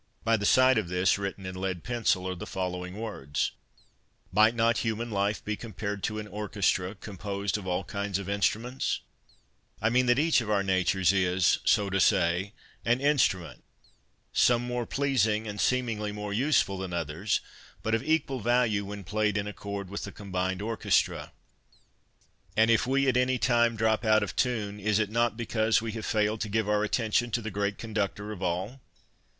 By the side of this, written in lead pencil, are the following words :' Might not human life be compared to an orchestra, composed of all kinds of instruments ? I mean that each of our natures is, so to say, an instrument, some more pleasing and, seemingly, more useful than others ; but of equal value when played in accord with the combined orchestra. A PILGRIMAGE 133 And if we, at any time, drop out of tune, is it not because we have failed to give our attention to the Great Conductor of all